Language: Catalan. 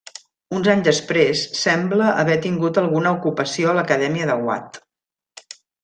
Uns anys després sembla haver tingut alguna ocupació a l'acadèmia de Watt.